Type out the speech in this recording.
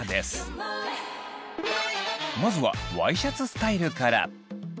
まずはワイシャツスタイルから。